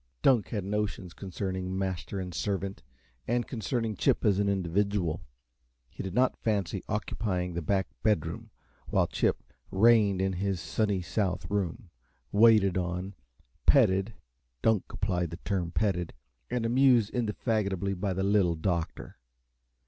Dunk had notions concerning master and servant, and concerning Chip as an individual. He did not fancy occupying the back bedroom while Chip reigned in his sunny south room, waited on, petted (Dunk applied the term petted) and amused indefatigably by the Little Doctor.